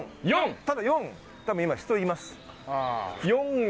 ただ４多分今人います。